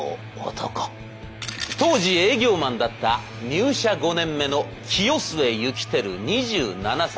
当時営業マンだった入社５年目の清末幸輝２７歳。